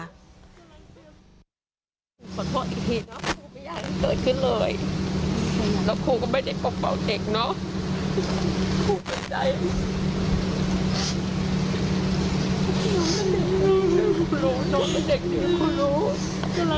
แล้วก็แสดงความเสียใจกับเหตุการณ์ที่เกิดขึ้นด้วย